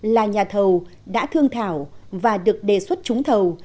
là nhà thầu đã thương thảo và được đề xuất trúng thầu